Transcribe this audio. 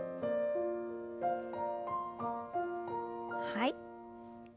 はい。